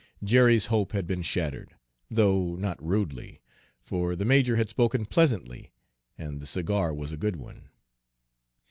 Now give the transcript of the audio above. Jerry's hope had been shattered, though not rudely; for the major had spoken pleasantly and the cigar was a good one.